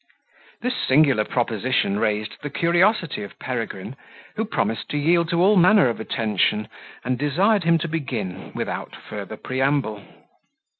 This singular proposition raised the curiosity of Peregrine, who promised to yield all manner of attention, and desired him to begin without further preamble.